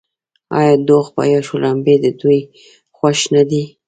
آیا دوغ یا شړومبې د دوی خوښ نه دي؟